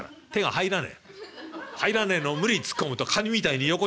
入らねえのを無理に突っ込むとカニみたいに横にはってきちゃう。